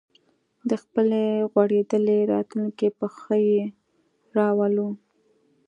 د خپلې غوړېدلې راتلونکې په ښه یې راولو